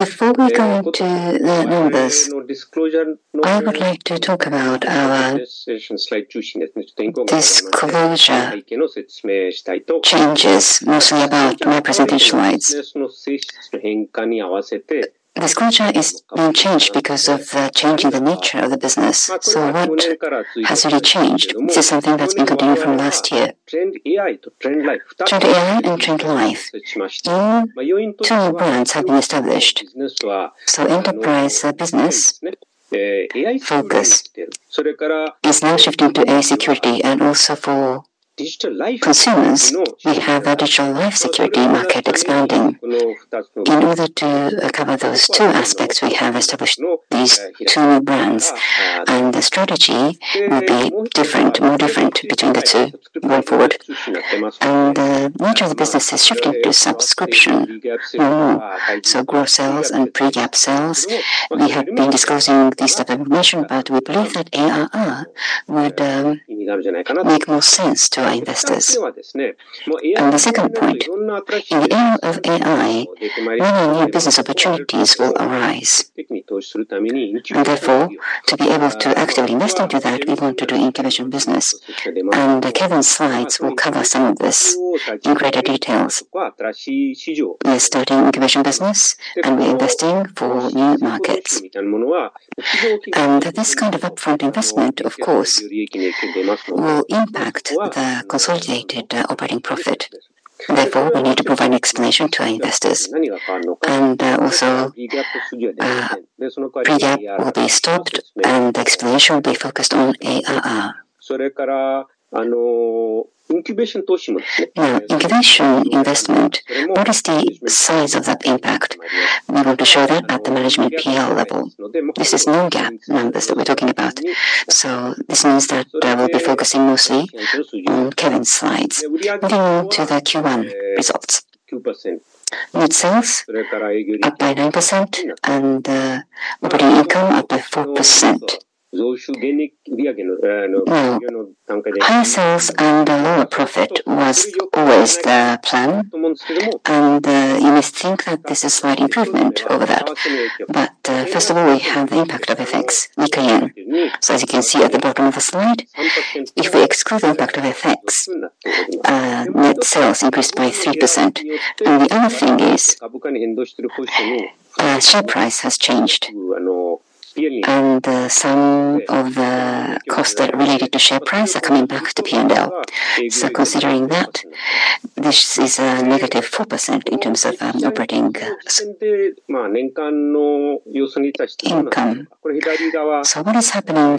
Before we go into the numbers, I would like to talk about our disclosure changes, mostly about my presentation slides. Disclosure is being changed because of the change in the nature of the business. What has really changed? This is something that's been continuing from last year. TrendAI and TrendLife. Two brands have been established. Enterprise business focus is now shifting to AI security and also for consumers, we have our digital life security market expanding. In order to cover those two aspects, we have established these two brands, and the strategy will be different, more different between the two going forward. The nature of the business has shifted to subscription or more. Core sales and pre-GAAP sales, we have been discussing this type of information, but we believe that ARR would make more sense to our investors. The second point, in the era of AI, many new business opportunities will arise. Therefore, to be able to actually invest into that, we want to do incubation business. Kevin's slides will cover some of this in greater details. We are starting incubation business and we are investing for new markets. This kind of upfront investment, of course, will impact the consolidated operating profit. Therefore, we need to provide an explanation to our investors. Also, pre-GAAP will be stopped and the explanation will be focused on ARR. Now, incubation investment, what is the size of that impact? We want to show that at the management P&L level. This is non-GAAP numbers that we're talking about. This means that I will be focusing mostly on Kevin's slides. Moving on to the Q1 results. Net sales up by 9% and operating income up by 4%. Well, higher sales and a lower profit was always the plan. You may think that this is slight improvement over that. First of all, we have the impact of FX, weaker yen. As you can see at the bottom of the slide, if we exclude the impact of FX, net sales increased by 3%. The other thing is, the share price has changed. Some of the costs that are related to share price are coming back to P&L. Considering that, this is a negative 4% in terms of operating income. What is happening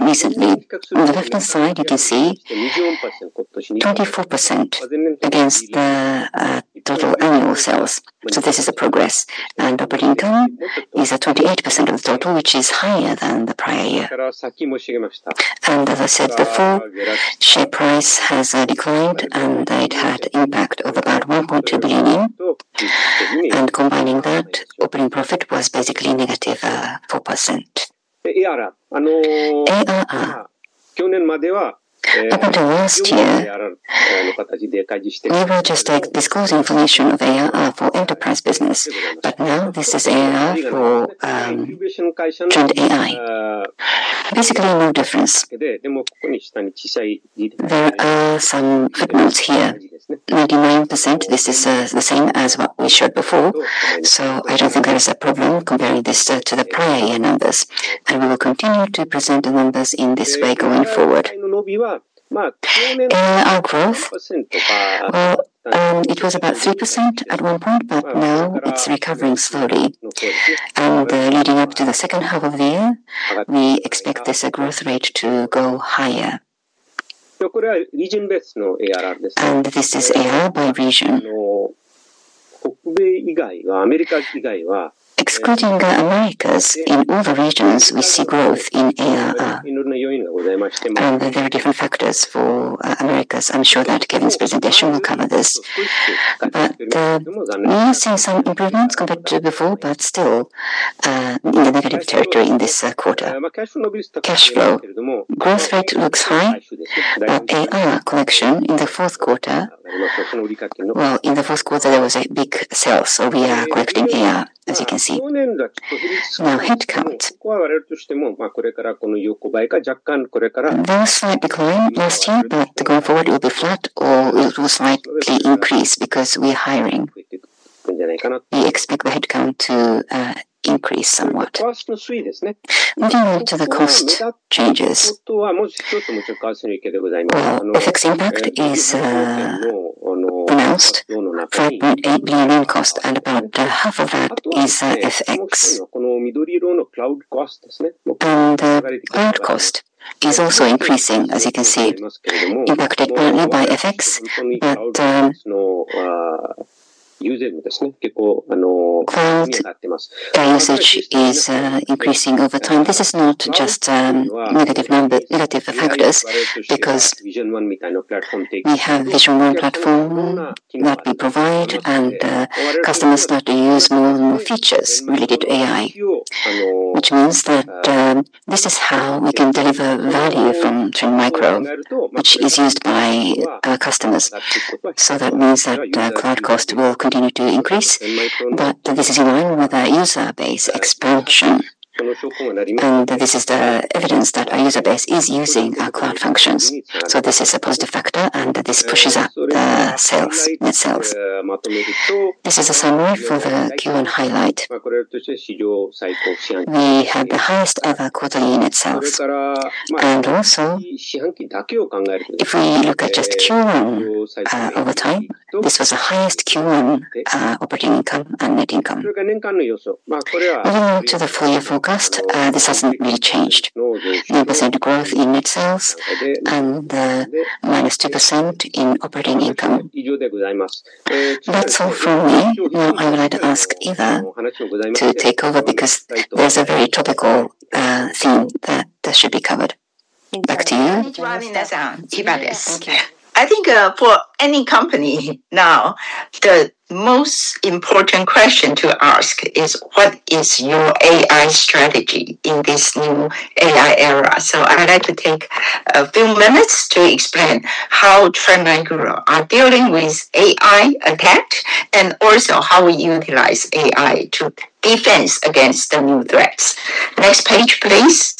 recently? On the left-hand side, you can see 24% against the total annual sales. This is a progress. Operating income is at 28% of the total, which is higher than the prior year. As I said before, share price has declined, and it had impact of about 1.2 billion. Combining that, operating profit was basically negative 4%. ARR. Up until last year, we were just, like, disclosing information of ARR for enterprise business, but now this is ARR for TrendAI. Basically no difference. There are some footnotes here. 99%, this is the same as what we showed before. I don't think there is a problem comparing this to the prior year numbers. We will continue to present the numbers in this way going forward. ARR growth. Well, it was about 3% at one point, but now it's recovering slowly. Leading up to the second half of the year, we expect this growth rate to go higher. This is ARR by region. Excluding Americas, in all the regions we see growth in ARR. There are different factors for Americas. I'm sure that Kevin's presentation will cover this. We are seeing some improvements compared to before, but still in the negative territory in this quarter. Cash flow. Growth rate looks high, but well, in the fourth quarter, there was a big sale, so we are collecting ARR, as you can see. Now, headcount. There was slight decline last year, but going forward it will be flat or it will slightly increase because we're hiring. We expect the headcount to increase somewhat. Moving on to the cost changes. Well, FX impact is announced. 3.8 billion cost and about half of that is FX. The cloud cost is also increasing, as you can see. Impacted partly by FX, but cloud usage is increasing over time. This is not just negative factors because we have Vision One platform that we provide and customers start to use more and more features related to AI. Which means that this is how we can deliver value from Trend Micro, which is used by our customers. That means that cloud cost will continue to increase, but this is in line with our user base expansion. This is the evidence that our user base is using our cloud functions. This is a positive factor, and this pushes up the net sales. This is a summary for the Q1 highlight. We had the highest ever quarterly net sales. If we look at just Q1, over time, this was the highest Q1 operating income and net income. Moving on to the full year forecast, this hasn't really changed. 9% growth in net sales and the -2% in operating income. That's all from me. I would like to ask Eva to take over because there's a very topical, theme that should be covered. Back to you. Okay. I think, for any company now, the most important question to ask is what is your AI strategy in this new AI era? I'd like to take a few minutes to explain how Trend Micro are dealing with AI attack and also how we utilize AI to defense against the new threats. Next page, please.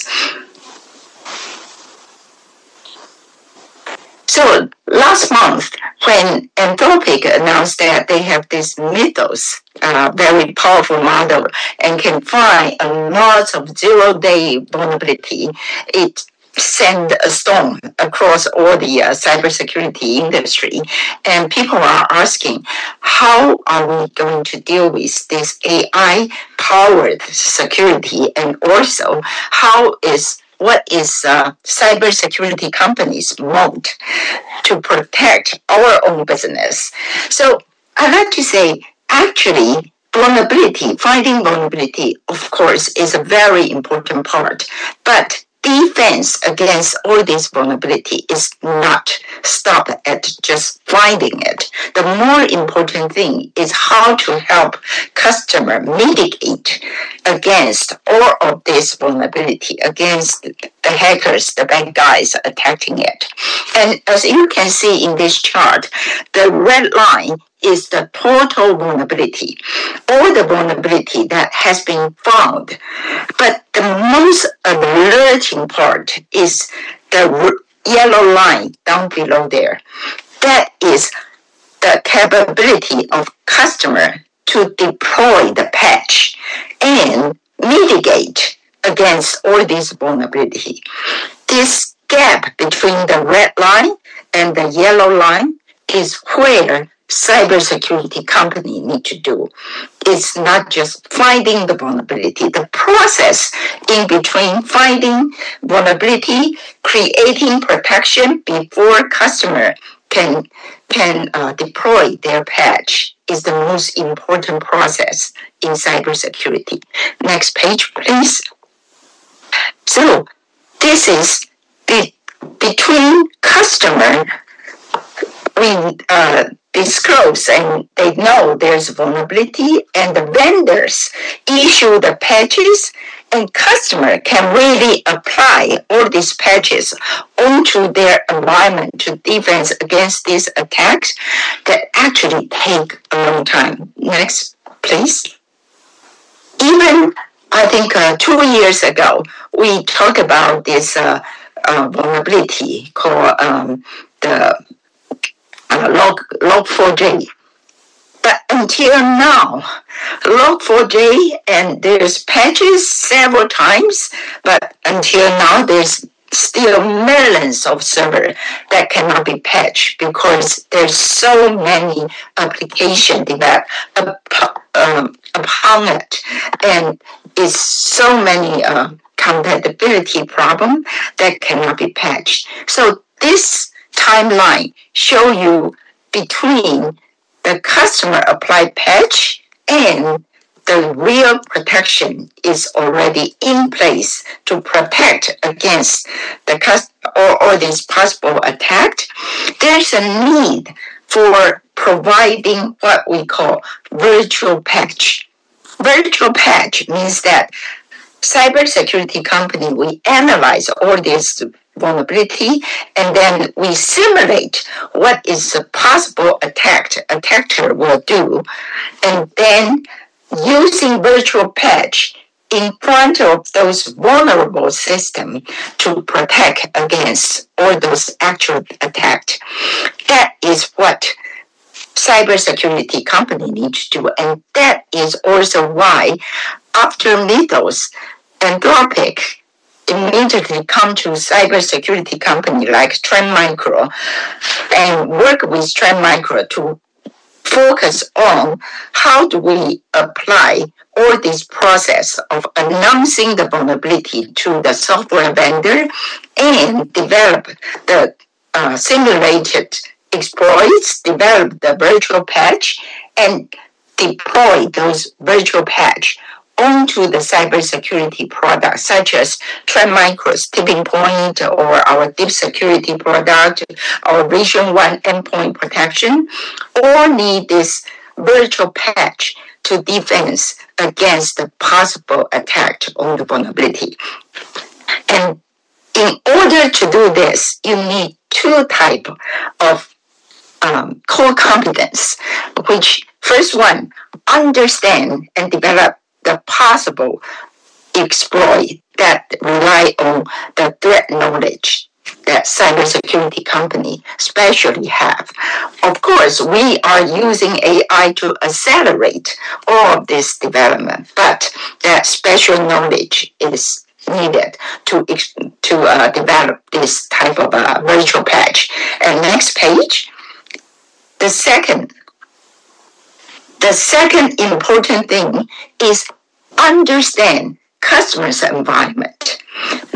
Last month when Anthropic announced that they have this Mythos, very powerful model and can find a lot of zero-day vulnerability, it send a storm across all the cybersecurity industry. People are asking, How are we going to deal with this AI-powered security? Also, what is cybersecurity companies want to protect our own business? I'd like to say actually vulnerability, finding vulnerability of course is a very important part, but defense against all this vulnerability is not stop at just finding it. The more important thing is how to help customer mitigate against all of this vulnerability, against the hackers, the bad guys attacking it. As you can see in this chart, the red line is the total vulnerability, all the vulnerability that has been found. The most alerting part is the yellow line down below there. That is the capability of customer to deploy the patch and mitigate against all this vulnerability. This gap between the red line and the yellow line is where cybersecurity company need to do. It's not just finding the vulnerability. The process in between finding vulnerability, creating protection before customer can deploy their patch is the most important process in cybersecurity. Next page, please. This is between customer being disclosed and they know there's vulnerability and the vendors issue the patches and customer can really apply all these patches onto their environment to defense against these attacks that actually take a long time. Next, please. Even I think, two years ago, we talk about this vulnerability called the Log4j. Until now, Log4j and there's patches several times, but until now there's still millions of server that cannot be patched because there's so many applications in that upon it, and it's so many compatibility problem that cannot be patched. This timeline show you between the customer applied patch and the real protection is already in place to protect against the or this possible attack. There's a need for providing what we call virtual patch. Virtual patch means that cybersecurity company will analyze all this vulnerability, and then we simulate what is a possible attack attacker will do, and then using virtual patch in front of those vulnerable system to protect against all those actual attack. That is what cybersecurity company need to do. That is also why after Mythos, Anthropic immediately come to cybersecurity company like Trend Micro and work with Trend Micro to focus on how do we apply all this process of announcing the vulnerability to the software vendor and develop the simulated exploits, develop the virtual patch, and deploy those virtual patch onto the cybersecurity product such as Trend Micro's TippingPoint or our Deep Security product or Vision One endpoint protection, all need this virtual patch to defense against the possible attack on the vulnerability. In order to do this, you need two type of core competence, which first one, understand and develop the possible exploit that rely on the threat knowledge that cybersecurity company especially have. Of course, we are using AI to accelerate all of this development, but that special knowledge is needed to develop this type of virtual patch. Next page. The second important thing is understand customer's environment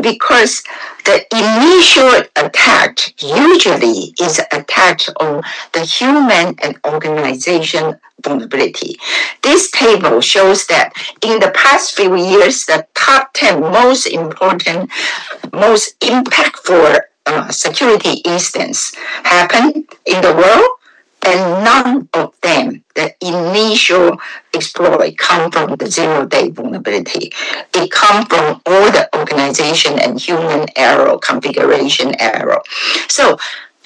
because the initial attack usually is attack on the human and organization vulnerability. This table shows that in the past few years, the top 10 most important, most impactful security instance happened in the world and none of them, the initial exploit come from the zero-day vulnerability. It come from all the organization and human error, configuration error.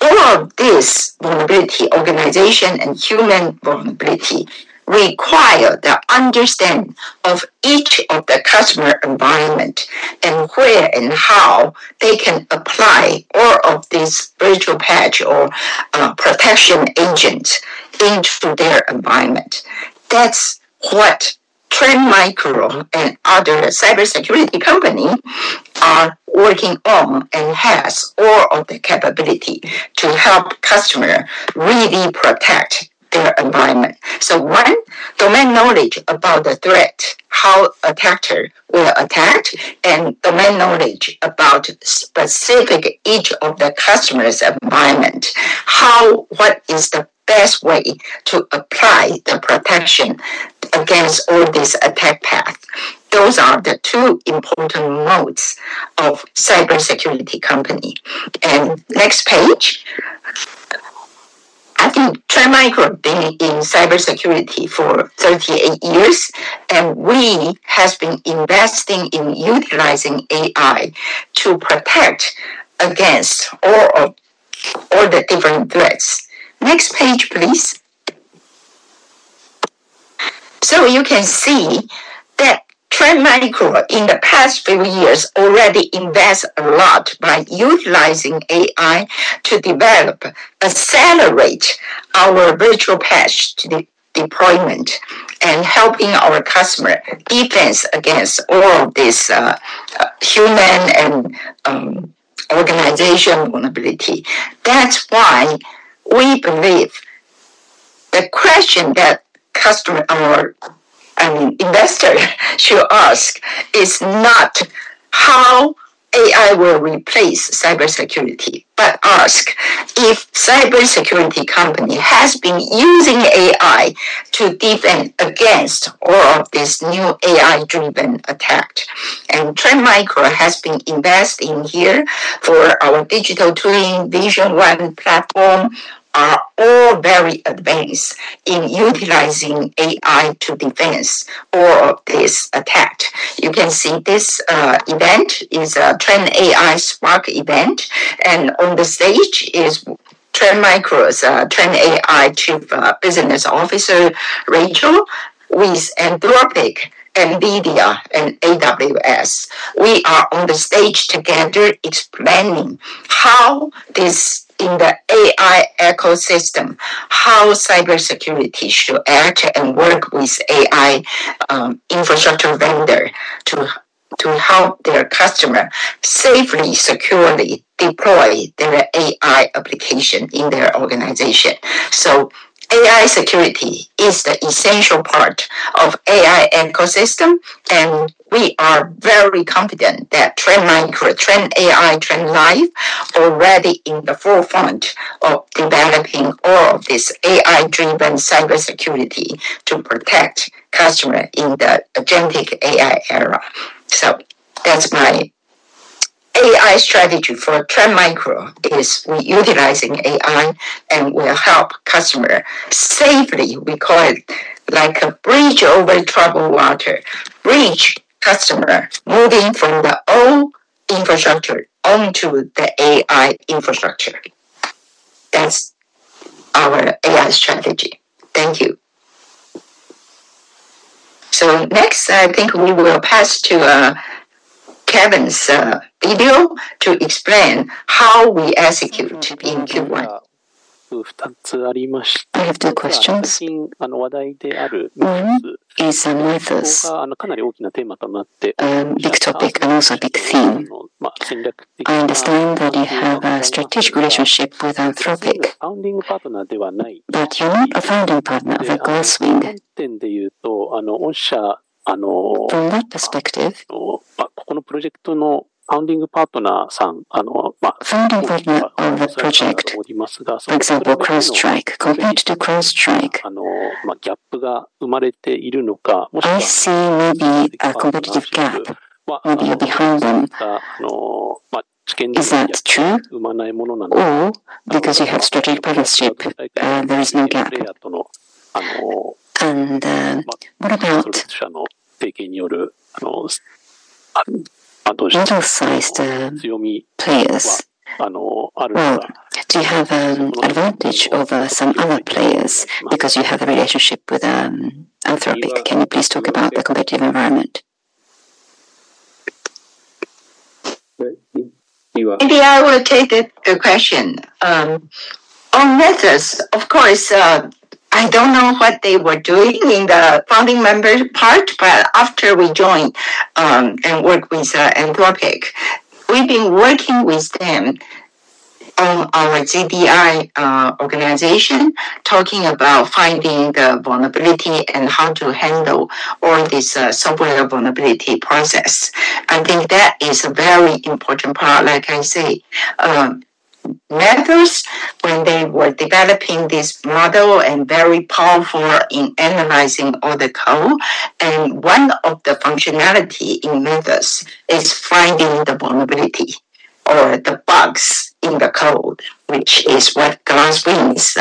All of this vulnerability, organization and human vulnerability require the understanding of each of the customer environment and where and how they can apply all of this virtual patch or protection agent into their environment. That's what Trend Micro and other cybersecurity company are working on and has all of the capability to help customer really protect their environment. One, domain knowledge about the threat, how attacker will attack and domain knowledge about specific each of the customer's environment. What is the best way to apply the protection against all this attack path? Those are the two important modes of cybersecurity company. Next page. I think Trend Micro been in cybersecurity for 38 years, and we has been investing in utilizing AI to protect against all the different threats. Next page, please. You can see that Trend Micro in the past few years already invest a lot by utilizing AI to develop, accelerate our virtual patch deployment and helping our customer defense against all of this human and organization vulnerability. That's why we believe the question that customer or, I mean, investor should ask is not how AI will replace cybersecurity, but ask if cybersecurity company has been using AI to defend against all of this new AI-driven attack. Trend Micro has been investing here for our digital twin Trend Vision One platform are all very advanced in utilizing AI to defend all of this attack. You can see this event is a TrendAI Spark event, and on the stage is Trend Micro's TrendAI Chief Business Officer, Rachel, with Anthropic, NVIDIA and AWS. We are on the stage together explaining how this in the AI ecosystem, how cybersecurity should act and work with AI infrastructure vendor to help their customer safely, securely deploy their AI application in their organization. AI security is the essential part of AI ecosystem, and we are very confident that Trend Micro, TrendAI, TrendLife already in the forefront of developing all of this AI-driven cybersecurity to protect customer in the agentic AI era. That's my AI strategy for Trend Micro is we utilizing AI and will help customer safely. We call it like a bridge over troubled water, bridge customer moving from the old infrastructure onto the AI infrastructure. That's our AI strategy. Thank you. Next, I think we will pass to Kevin's video to explain how we execute in Q1. I have two questions. One is, Mythos. Big topic and also a big theme. I understand that you have a strategic relationship with Anthropic, but you're not a founding partner of a Glasswing. From that perspective, founding partner of the project, for example, compared to CrowdStrike, I see maybe a competitive gap where you're behind them. Is that true? Or because you have strategic partnership there is no gap? What about middle-sized players? Do you have advantage over some other players because you have a relationship with Anthropic? Can you please talk about the competitive environment? Maybe I will take the question. On Mythos, of course, I don't know what they were doing in the founding member part. After we joined and worked with Anthropic, we've been working with them on our ZDI organization, talking about finding the vulnerability and how to handle all this software vulnerability process. I think that is a very important part. Like I say, Mythos, when they were developing this model and very powerful in analyzing all the code, and one of the functionality in Mythos is finding the vulnerability or the bugs in the code, which is what Glasswing's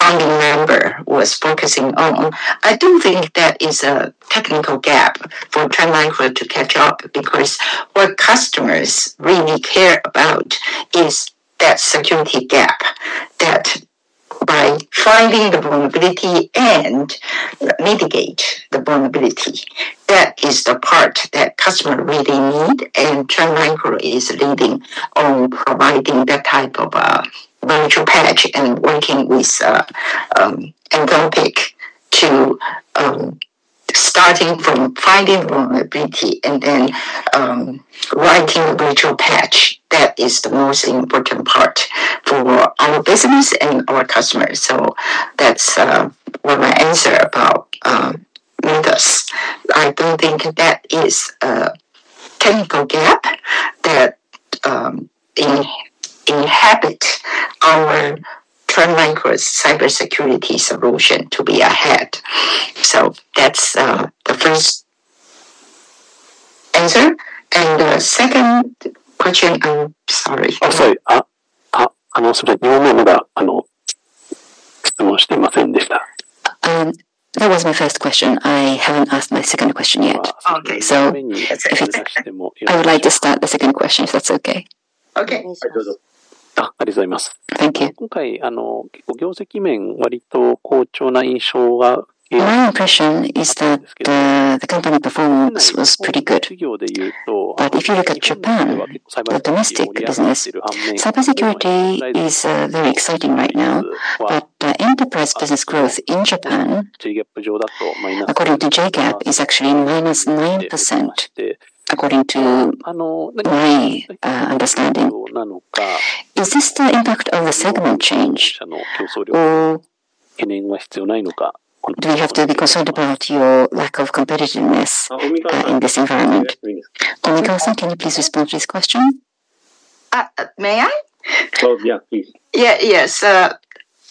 founding member was focusing on. I don't think that is a technical gap for Trend Micro to catch up, because what customers really care about is that security gap. That by finding the vulnerability and mitigate the vulnerability, that is the part that customer really need and Trend Micro is leading on providing that type of virtual patch and working with Anthropic to starting from finding vulnerability and then writing a virtual patch. That is the most important part for our business and our customers. That's what my answer about Mythos. I don't think that is a technical gap that inhibit our Trend Micro's cybersecurity solution to be ahead. That's the first answer. The second question, I'm sorry. Oh, sorry. That was my first question. I haven't asked my second question yet. Okay. If it's I would like to start the second question, if that's okay. Okay. Thank you. My impression is that the company performance was pretty good. If you look at Japan, the domestic business, cybersecurity is very exciting right now. Enterprise business growth in Japan, according to J-GAAP, is actually -9% according to my understanding. Is this the impact of a segment change or do you have to be concerned about your lack of competitiveness in this environment? Omikawa-san, can you please respond to this question? May I? Oh, yeah, please. Yeah. Yes.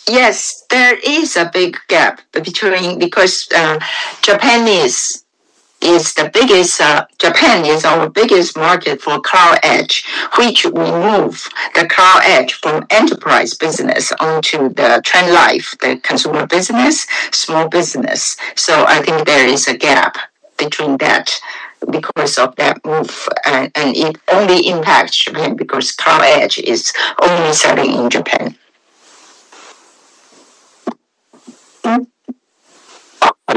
Yes, there is a big gap between Because Japan is the biggest, Japan is our biggest market for Cloud Edge, which will move the Cloud Edge from enterprise business onto the TrendLife, the consumer business, small business. I think there is a gap between that because of that move. It only impacts Japan because Cloud Edge is only selling in Japan.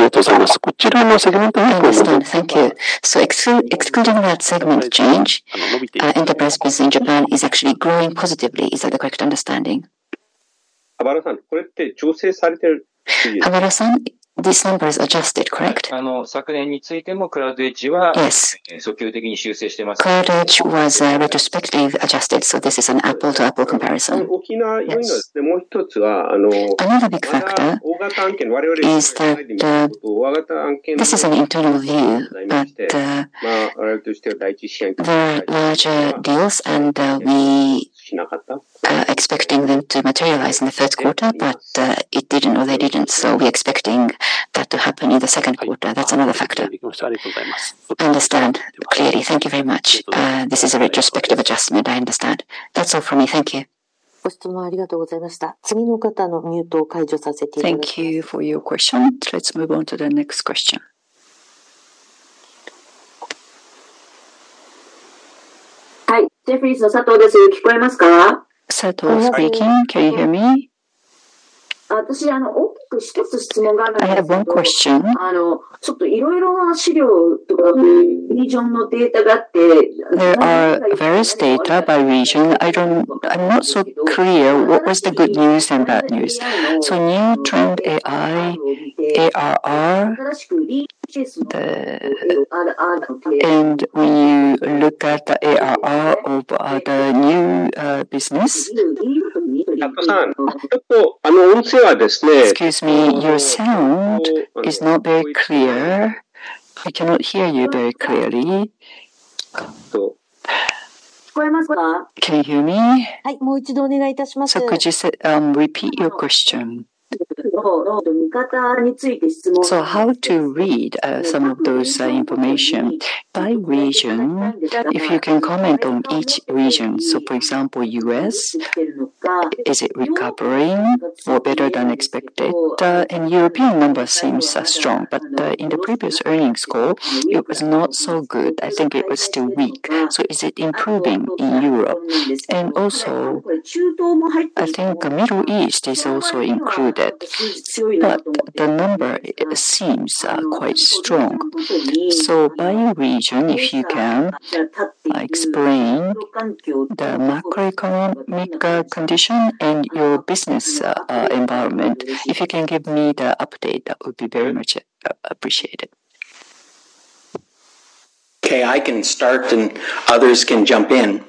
Understood. Thank you. Excluding that segment change, enterprise business in Japan is actually growing positively. Is that the correct understanding? Omikawa-san, this number is adjusted, correct? Yes. Cloud Edge was retrospective adjusted, so this is an apple-to-apple comparison. Yes. Another big factor is that this is an internal view, but there are larger deals and we expecting them to materialize in the first quarter, but it didn't or they didn't, so we expecting that to happen in the second quarter. That's another factor. Understand clearly. Thank you very much. This is a retrospective adjustment. I understand. That's all from me. Thank you. Thank you for your question. Let's move on to the next question. Can you hear me? I have one question. There are various data by region. I'm not so clear what was the good news and bad news. New TrendAI, ARR, and when you look at the ARR of other new Excuse me, your sound is not very clear. I cannot hear you very clearly. Can you hear me? Could you say, repeat your question? How to read some of those information by region, if you can comment on each region. For example, U.S., is it recovering or better than expected? European numbers seems strong, but in the previous earnings call it was not so good. I think it was still weak. Is it improving in Europe? Also I think Middle East is also included, but the number seems quite strong. By region, if you can explain the macroeconomic condition and your business environment. If you can give me the update, that would be very much appreciated. Okay, I can start and others can jump in.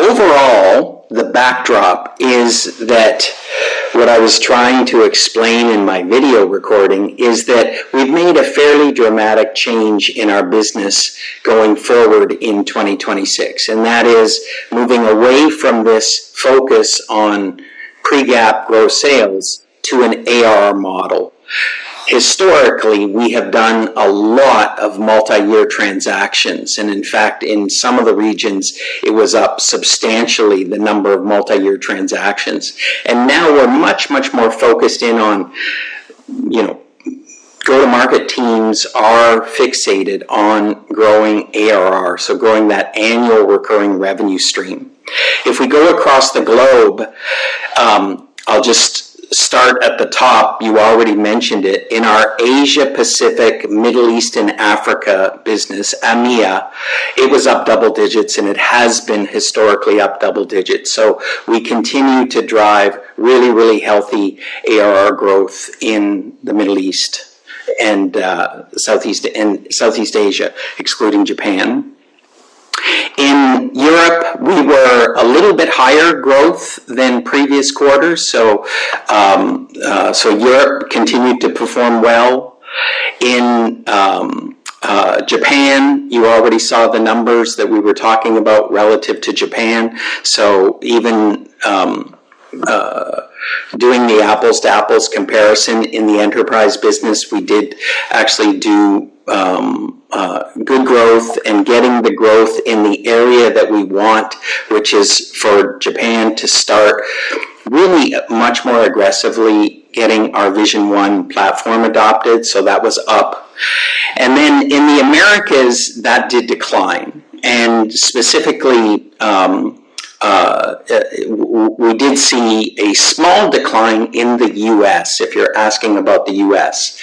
Overall, the backdrop is that what I was trying to explain in my video recording is that we've made a fairly dramatic change in our business going forward in 2026, and that is moving away from this focus on pre-GAAP gross sales to an AR model. Historically, we have done a lot of multi-year transactions, and in fact, in some of the regions it was up substantially the number of multi-year transactions. Now we're much more focused in on, you know, go-to-market teams are fixated on growing ARR, so growing that annual recurring revenue stream. If we go across the globe, I'll just start at the top. You already mentioned it. In our Asia Pacific, Middle East and Africa business, AMEA, it was up double digits, and it has been historically up double digits. We continue to drive really, really healthy ARR growth in the Middle East and Southeast and Southeast Asia, excluding Japan. In Europe, we were a little bit higher growth than previous quarters. Europe continued to perform well. In Japan, you already saw the numbers that we were talking about relative to Japan. Even doing the apples-to-apples comparison in the enterprise business, we did actually do good growth and getting the growth in the area that we want, which is for Japan to start really much more aggressively getting our Vision One platform adopted. That was up. In the Americas, that did decline. Specifically, we did see a small decline in the U.S., if you're asking about the U.S.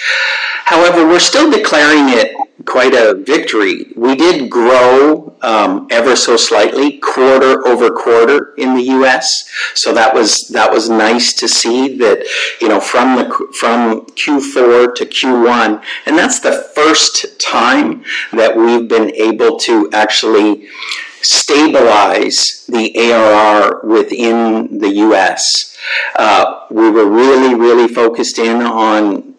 However, we're still declaring it quite a victory. We did grow, ever so slightly quarter-over-quarter in the U.S. That was nice to see that, you know, from Q4 to Q1. That's the first time that we've been able to actually stabilize the ARR within the U.S. We were really focused in on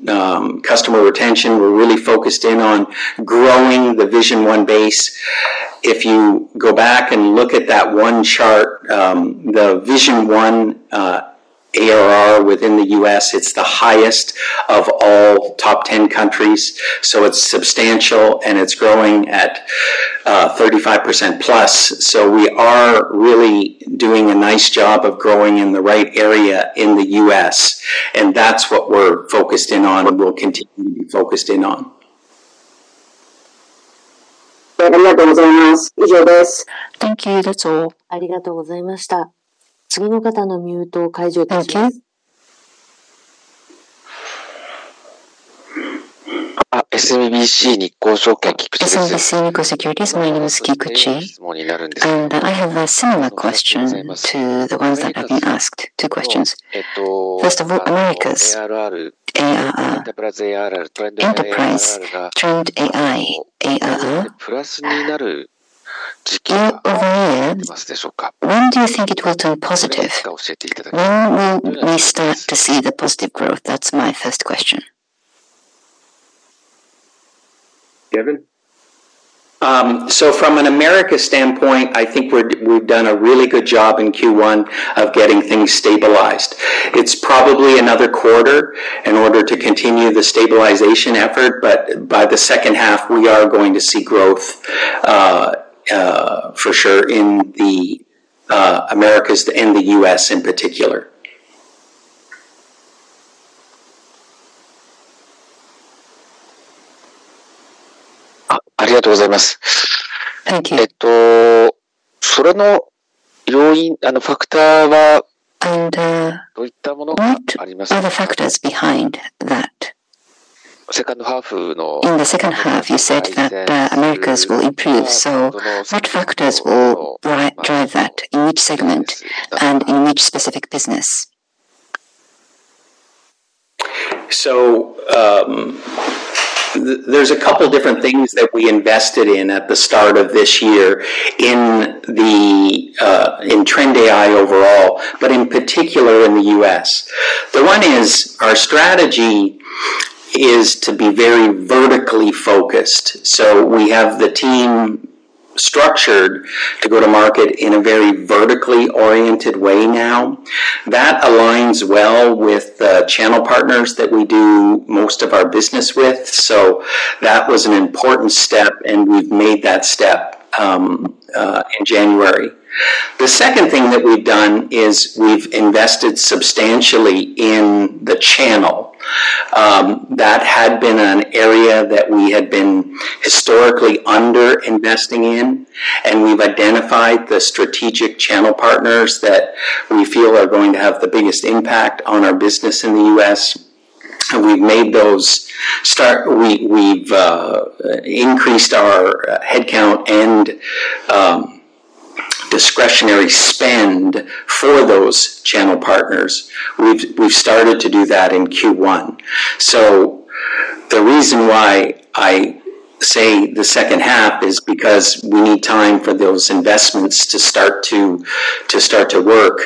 customer retention. We're really focused in on growing the Vision One base. If you go back and look at that one chart, the Vision One ARR within the U.S., it's the highest of all top 10 countries. It's substantial, and it's growing at 35% plus. We are really doing a nice job of growing in the right area in the U.S., and that's what we're focused in on and will continue to be focused in on. Thank you. That's all. SMBC Nikko Securities, my name is Kikuchi. I have a similar question to the ones that have been asked. Two questions. First of all, Americas ARR, enterprise TrendAI ARR year-over-year, when do you think it will turn positive? When will we start to see the positive growth? That's my first question. Kevin? From an Americas standpoint, I think we've done a really good job in Q1 of getting things stabilized. It's probably another quarter in order to continue the stabilization effort, but by the second half, we are going to see growth for sure in the Americas and the U.S. in particular. Thank you. What are the factors behind that? In the second half, you said that Americas will improve. What factors will drive that in each segment and in each specific business? There's a couple different things that we invested in at the start of this year in the TrendAI overall, but in particular in the U.S. The one is our strategy is to be very vertically focused. We have the team structured to go to market in a very vertically oriented way now. That aligns well with the channel partners that we do most of our business with. That was an important step, and we've made that step in January. The second thing that we've done is we've invested substantially in the channel. That had been an area that we had been historically under-investing in, and we've identified the strategic channel partners that we feel are going to have the biggest impact on our business in the U.S. We've increased our headcount and discretionary spend for those channel partners. We've started to do that in Q1. The reason why I say the second half is because we need time for those investments to start to work.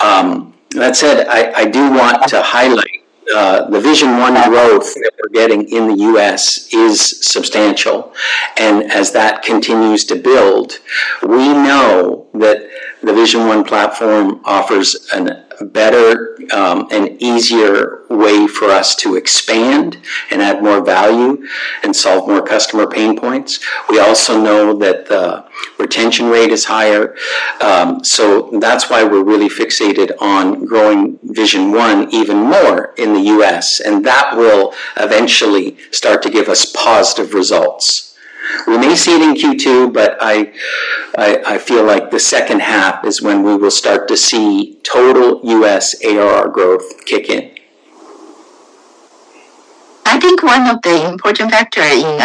That said, I do want to highlight the Trend Vision One growth that we're getting in the U.S. is substantial. As that continues to build, we know that the Trend Vision One platform offers a better and easier way for us to expand and add more value and solve more customer pain points. We also know that the retention rate is higher. That's why we're really fixated on growing Trend Vision One even more in the U.S., and that will eventually start to give us positive results. We may see it in Q2, but I feel like the second half is when we will start to see total U.S. ARR growth kick in. I think one of the important factor in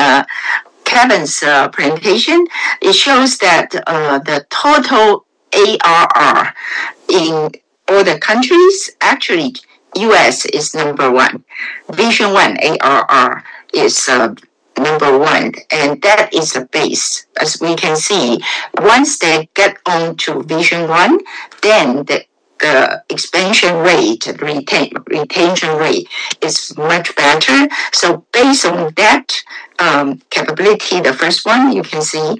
Kevin's presentation, it shows that the total ARR in all the countries, actually U.S. is number one. Vision One ARR is number one, and that is a base. As we can see, once they get onto Vision One, then the expansion rate, retention rate is much better. Based on that capability, the first one you can see,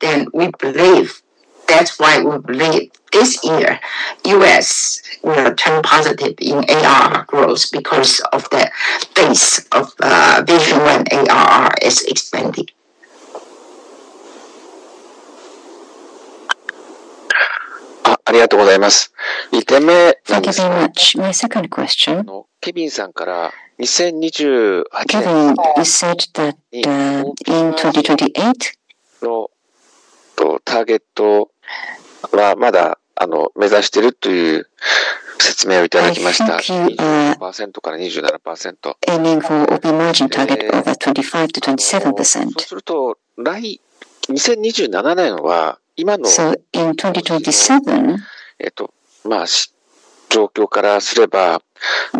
then we believe that's why we believe this year U.S. will turn positive in ARR growth because of the base of Vision One ARR is expanding. Thank you very much. My second question. Kevin, you said that in 2028 I think you are aiming for operating margin target of over 25%-27%. In 2027,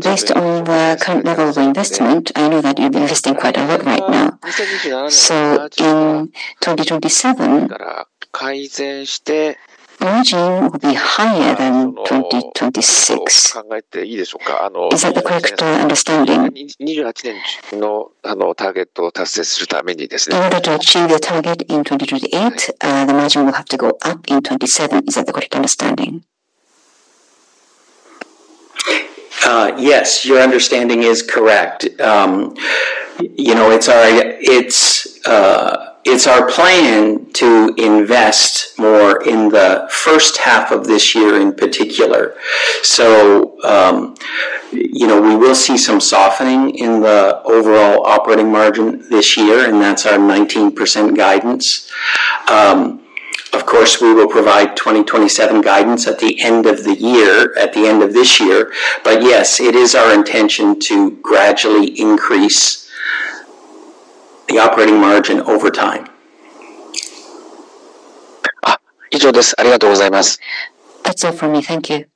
based on the current level of investment, I know that you're investing quite a lot right now. In 2027, margin will be higher than 2026. Is that the correct understanding? In order to achieve the target in 2028, the margin will have to go up in 27. Is that the correct understanding? Yes, your understanding is correct. You know, it's our plan to invest more in the first half of this year in particular. You know, we will see some softening in the overall operating margin this year, and that's our 19% guidance. Of course, we will provide 2027 guidance at the end of the year, at the end of this year. Yes, it is our intention to gradually increase the operating margin over time. That's all from me. Thank you.